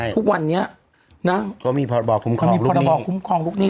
ทุกวันนี้นะก็มีพอร์ตบอกคุ้มครองลูกนี้มีพอร์ตบอกคุ้มครองลูกนี้